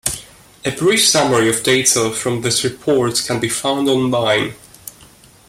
A brief summary of data from this report can be found online.